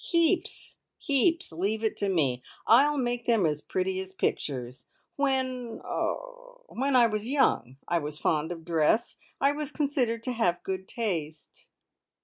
"Heaps! Heaps! Leave it to me. I'll make them as pretty as pictures. When er when I was young, I was fond of dress. I was considered to have good taste."